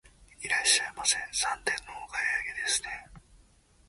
いらっしゃいませ、三点のお買い上げですね。